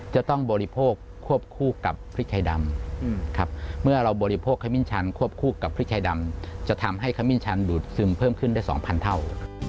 จะต้องบริโภคควบคู่กับพริกไทยดำครับเมื่อเราบริโภคขมิ้นชันควบคู่กับพริกไทยดำจะทำให้ขมิ้นชันดูดซึมเพิ่มขึ้นได้๒๐๐เท่า